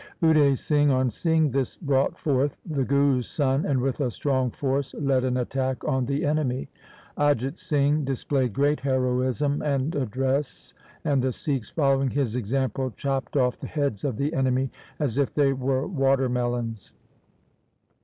Ude Singh on seeing this brought forth the Guru's son and with a strong force led an attack on the enemy. Ajit Singh displayed great heroism and address, and the Sikhs following his example chopped off the heads of the enemy, as if they were water melons.